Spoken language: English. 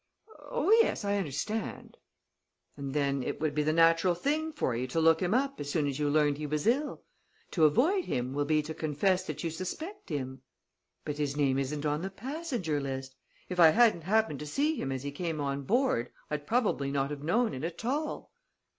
"Oh, yes; I understand." "And then, it would be the natural thing for you to look him up as soon as you learned he was ill. To avoid him will be to confess that you suspect him." "But his name isn't on the passenger list. If I hadn't happened to see him as he came on board, I'd probably not have known it at all."